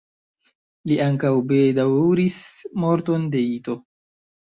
Li ankaŭ bedaŭris morton de Ito.